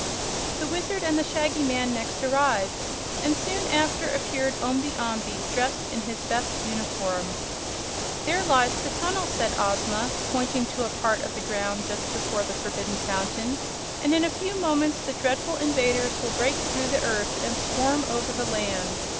The Wizard and the Shaggy Man next arrived, and soon after appeared Omby Amby, dressed in his best uniform. "There lies the tunnel," said Ozma, pointing to a part of the ground just before the Forbidden Fountain, "and in a few moments the dreadful invaders will break through the earth and swarm over the land.